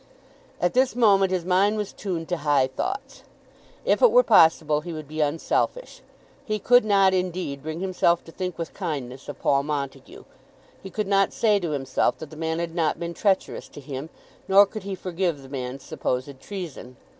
At this moment his mind was tuned to high thoughts. If it were possible he would be unselfish. He could not, indeed, bring himself to think with kindness of Paul Montague. He could not say to himself that the man had not been treacherous to him, nor could he forgive the man's supposed treason.